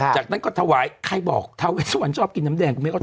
จากนั้นก็ถวายใครบอกถ้าเวทสุวรรณชอบกินน้ำแดงก็ไม่ค่อย